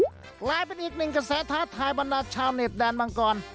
กลายเป็นอีกหนึ่งกระแสท้าทายบรรดาชาวเน็ตแดนมังกร